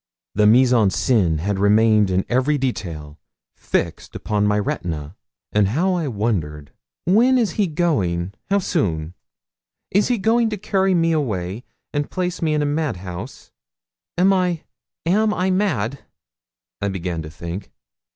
The mise en scène had remained in every detail fixed upon my retina; and how I wondered 'When is he going how soon? Is he going to carry me away and place me in a madhouse?' 'Am I am I mad?' I began to think.